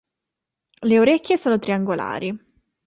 Le orecchie sono triangolari.